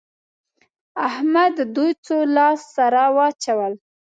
احمد دوی څو لاس سره واچول؟